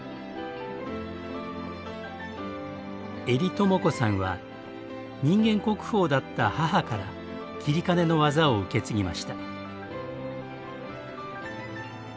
江里朋子さんは人間国宝だった母から截金の技を受け継ぎました。